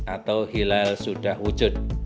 atau hilal sudah wujud